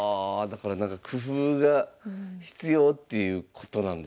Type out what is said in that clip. だからなんか工夫が必要っていうことなんですね。